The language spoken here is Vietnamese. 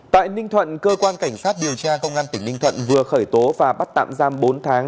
tại ninh thuận cơ quan cảnh sát điều tra công an tỉnh ninh thuận vừa khởi tố và bắt tạm giam bốn tháng